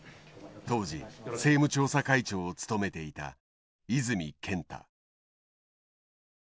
当時政務調査会長を務めていた泉健太。